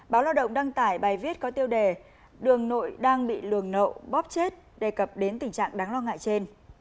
báo lao động đăng tải bài viết có tiêu đề đường nội đang bị lường nộ bóp chết đề cập đến tình trạng đáng lo ngại trên